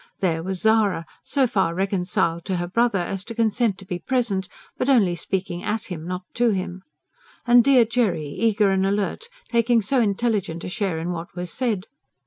There was Zara, so far reconciled to her brother as to consent to be present; but only speaking at him, not to him. And dear Jerry, eager and alert, taking so intelligent a share in what was said.